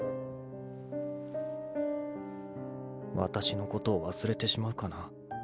わたしのことを忘れてしまうかな？